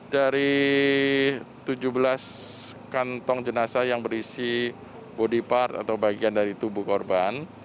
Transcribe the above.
dari tujuh belas kantong jenazah yang berisi body part atau bagian dari tubuh korban